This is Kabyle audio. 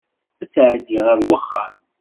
Ad tɛeddi ar wexxam.